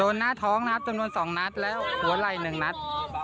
โดนหน้าท้องนะครับจำนวนสองนัดแล้วหัวไหล่หนึ่งนัด